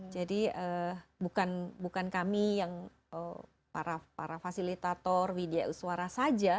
jadi bukan kami yang para fasilitator widya uswara saja